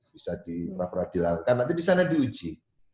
bisa diperadilankan nanti di sana diuji